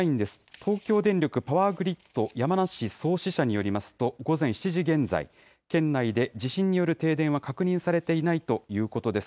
東京電力パワーグリッド山梨総支社によりますと、午前７時現在、県内で地震による停電は確認されていないということです。